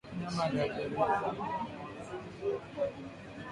mnyama aliyeathirika